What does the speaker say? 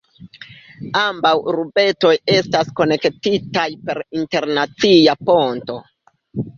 Ambaŭ urbetoj estas konektitaj per internacia ponto.